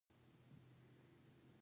جوت د حرارت واحد دی.